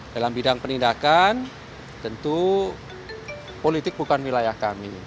dalam bidang penindakan tentu politik bukan wilayah kami